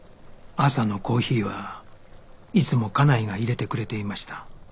朝のコーヒーはいつも家内が入れてくれていました